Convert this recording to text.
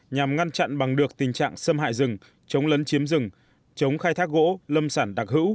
nhằm ngăn chặn bằng được tình trạng xâm hại rừng chống lấn chiếm rừng chống khai thác gỗ lâm sản đặc hữu